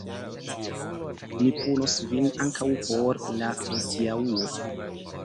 Mi punos vin ankaŭ por la hodiaŭo.